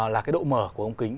là cái độ mở của ống kính